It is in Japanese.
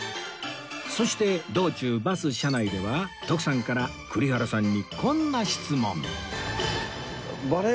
そして道中バス車内では徳さんから栗原さんにこんな質問